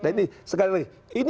ini aturan lain